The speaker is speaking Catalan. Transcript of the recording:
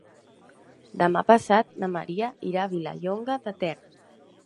Demà passat na Maria irà a Vilallonga de Ter.